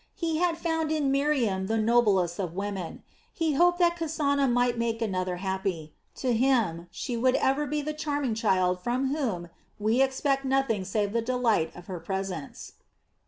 He had found in Miriam the noblest of women. He hoped that Kasana might make another happy. To him she would ever be the charming child from whom we expect nothing save the delight of her presence.